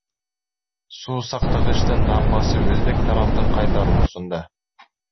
Суу сактагычтын дамбасы өзбек тараптын кайтаруусунда.